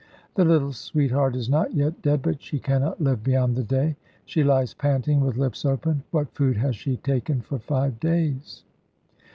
"The little sweetheart is not yet dead; but she cannot live beyond the day. She lies panting with lips open. What food has she taken for five days?"